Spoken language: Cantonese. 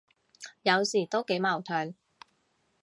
有時都幾矛盾，